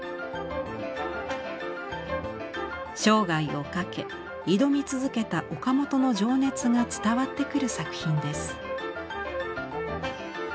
生涯をかけ挑み続けた岡本の情熱が伝わってくる作品です。